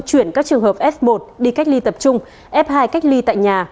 chuyển các trường hợp f một đi cách ly tập trung f hai cách ly tại nhà